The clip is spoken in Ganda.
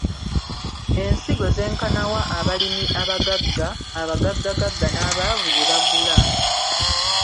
Ensigo zenkana wa abalimi abagagga, abagaggagagga n’abaavu ze bagula?